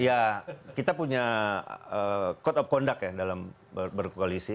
ya kita punya code of conduct ya dalam berkoalisi